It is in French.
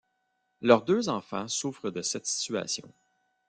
Leurs deux enfants souffrent de cette situation.